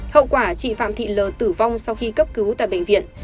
hậu quả chị phạm thị l tử vong sau khi cấp cứu tại bệnh viện